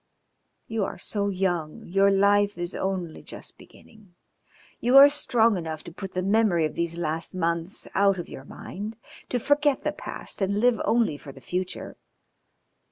You are so young, your life is only just beginning. You are strong enough to put the memory of these last months out of your mind to forget the past and live only for the future.